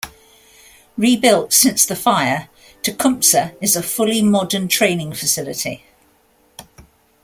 Rebuilt since the fire, "Tecumseh" is a fully modern training facility.